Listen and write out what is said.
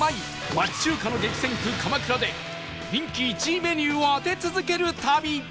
町中華の激戦区鎌倉で人気１位メニューを当て続ける旅